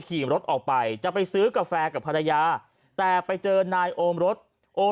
ขี่รถออกไปจะไปซื้อกาแฟกับภรรยาแต่ไปเจอนายโอมรถโอม